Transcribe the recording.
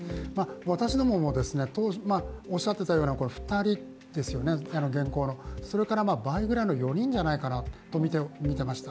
私どもも、おっしゃっていたような現行の２人それから倍ぐらいの４人じゃないかなと見ていました。